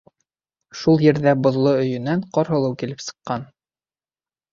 Шул ерҙә боҙло өйөнән Ҡарһылыу килеп сыҡҡан.